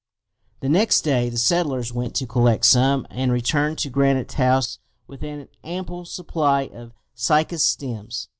The next day the settlers went to collect some and returned to Granite House with an ample supply of cycas stems.